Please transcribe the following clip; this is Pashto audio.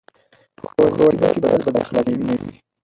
په ښوونځي کې باید بد اخلاقي نه وي.